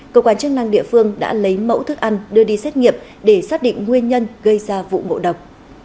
cơ quan chức năng địa phương đã lấy mẫu thức ăn đưa đi xét nghiệm để xác định nguyên nhân gây ra vụ ngộ độc